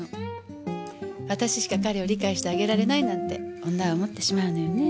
私しか彼を理解してあげられないなんて女は思ってしまうのよね。